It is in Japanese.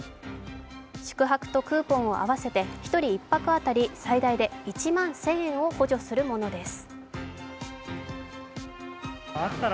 宿泊とクーポンを合わせて１人１泊当たり最大で１万１０００円を補助するものです。